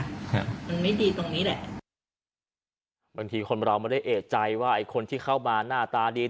ครับมันไม่ดีตรงนี้แหละบางทีคนเราไม่ได้เอกใจว่าไอ้คนที่เข้ามาหน้าตาดี